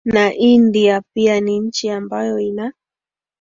na india pia ni nchi ambayo ina